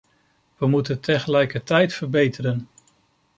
We moeten tegelijkertijd verbeteren.